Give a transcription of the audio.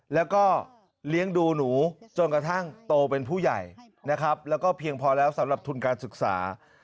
แล้วก็เลี้ยงดูหนูจนกระทั่งโตเป็นผู้ใหญ่นะครับแล้วก็เพียงพอแล้วสำหรับทุนการศึกษา